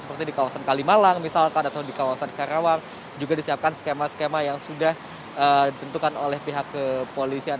seperti di kawasan kalimalang misalkan atau di kawasan karawang juga disiapkan skema skema yang sudah ditentukan oleh pihak kepolisian